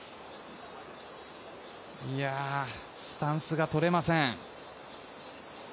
スタンスがとれません。